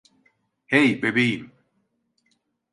Hey, bebeğim.